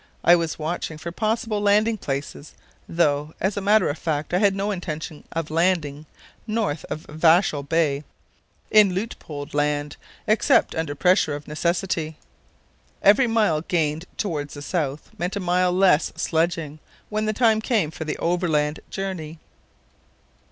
I was watching for possible landing places, though as a matter of fact I had no intention of landing north of Vahsel Bay, in Luitpold Land, except under pressure of necessity. Every mile gained towards the south meant a mile less sledging when the time came for the overland journey.